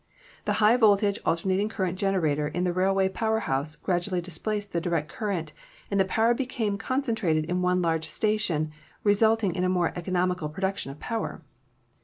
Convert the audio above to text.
The high voltage alternating current generator in the railway power house gradually displaced the direct current, and the power became concentrated in one large station, resulting in a more economical production of power.